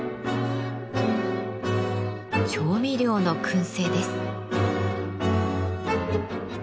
調味料の燻製です。